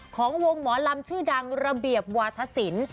ของวงหมอลำชื่อดังระเบียบวาธศิลป์